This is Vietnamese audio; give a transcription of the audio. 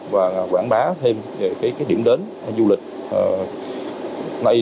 và quảng bá thêm các doanh nghiệp